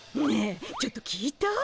ねえちょっと聞いた？